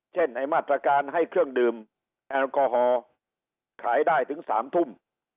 ในมาตรการให้เครื่องดื่มแอลกอฮอล์ขายได้ถึง๓ทุ่ม